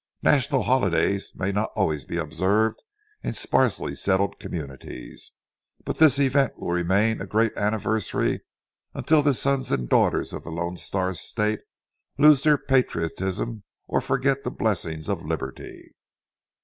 National holidays may not always be observed in sparsely settled communities, but this event will remain a great anniversary until the sons and daughters of the Lone Star State lose their patriotism or forget the blessings of liberty.